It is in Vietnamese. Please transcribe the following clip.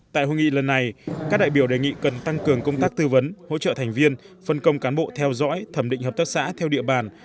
tại hội nghị lần này các đại biểu đề nghị cần tăng cường công tác tư vấn hỗ trợ thành viên phân công cán bộ theo dõi thẩm định hợp tác xã theo địa bàn